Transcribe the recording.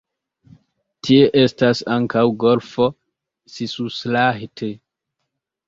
Tie estas ankaŭ golfo Sisuslahti.